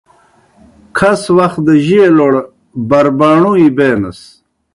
کھس وخ دہ جیلوڑ برباݨُوئے بینَس۔